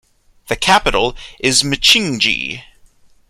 The capital is Mchinji.